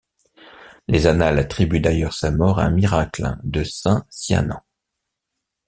Les annales attribuent d'ailleurs sa mort à un miracle de Saint Cianán.